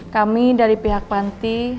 kami dari pihak panti